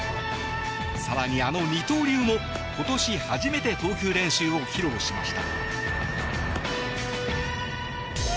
更に、あの二刀流も今年初めて投球練習を披露しました。